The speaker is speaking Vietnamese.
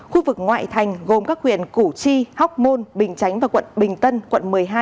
khu vực ngoại thành gồm các huyện củ chi hóc môn bình chánh và quận bình tân quận một mươi hai